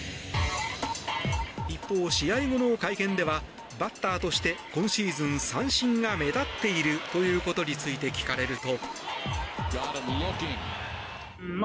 一方、試合後の会見ではバッターとして今シーズン、三振が目立っているということについて聞かれると。